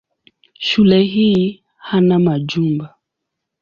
Shule hii hana majumba.